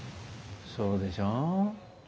そうでしょ？